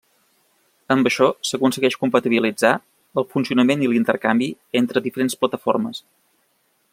Amb això s'aconsegueix compatibilitzar el funcionament i l'intercanvi entre diferents plataformes.